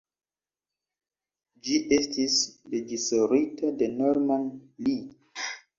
Ĝi estis reĝisorita de Norman Lee.